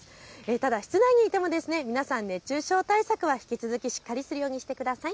ただ室内にいても皆さん、熱中症対策は引き続きしっかりするようにしてください。